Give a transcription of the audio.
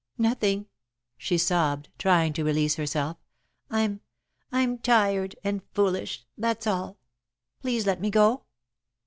"Nothing," she sobbed, trying to release herself. "I'm I'm tired and foolish that's all. Please let me go!"